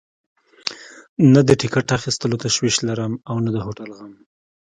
نه د ټکټ اخیستلو تشویش لرم او نه د هوټل غم.